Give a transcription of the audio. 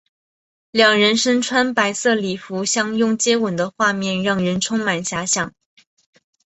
两人身穿白色礼服相拥接吻的画面让人充满遐想。